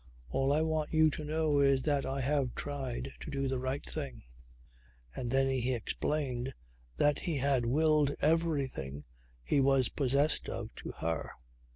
All I want you to know is that I have tried to do the right thing." And then he explained that he had willed everything he was possessed of to her.